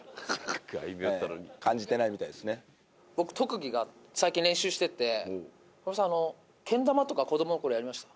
僕特技が最近練習しててけん玉とか子供のころやりました？